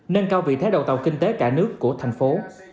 nâng cao vị thế đầu tàu kinh tế cả nước của thành phố